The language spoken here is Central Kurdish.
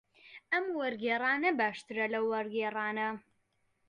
ئەم وەرگێڕانە باشترە لەو وەرگێڕانە.